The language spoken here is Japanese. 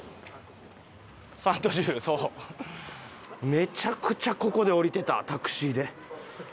めちゃくちゃここで降りてたタクシーで。